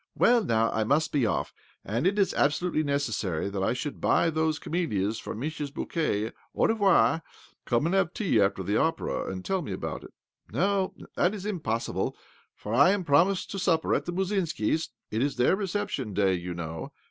Well, now I must be off, as it is abso lutely necessary that I should buy those camelias for Mischa's bouquet. Au revolt. '"" Come and have tea after the opera, and tell me all about it." " No, that is impossible, for I am promised to supper at the Musinskis'. It is their reception duy, you know.